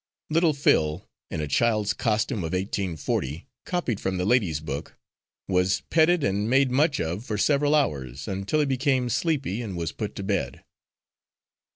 Little Phil, in a child's costume of 1840, copied from The Ladies' Book, was petted and made much of for several hours, until he became sleepy and was put to bed.